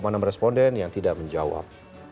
ada lima enam responden yang tidak menjawab